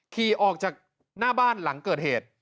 ขี่ออกจากหน้าบ้านหลังเกิดเหตุ